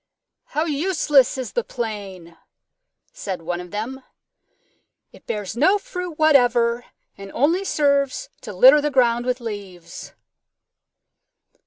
"How useless is the Plane!" said one of them. "It bears no fruit whatever, and only serves to litter the ground with leaves."